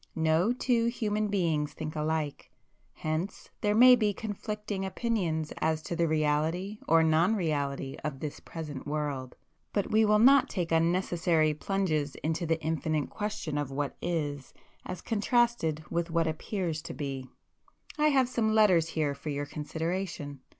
No two human beings think alike; hence there may be conflicting opinions as to the reality or non reality of this present world. But we will not take unnecessary plunges into the infinite question of what is, as contrasted with what appears to be. I have some letters here for your consideration.